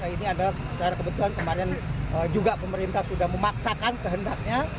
ini adalah secara kebetulan kemarin juga pemerintah sudah memaksakan kehendaknya